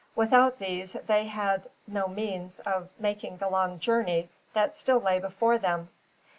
Without these, they had no means of making the long journey that still lay before them.